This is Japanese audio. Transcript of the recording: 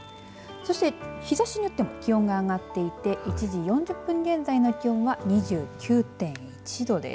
そして、日ざしによっても気温が上がっていて１時４０分現在の気温は２９．１度です。